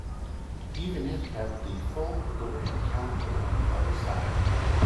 Even it had the full Gregorian calendar on the other side.